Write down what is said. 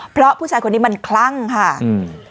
เพราะผู้ชายคนนี้มันคลั่งค่ะอืม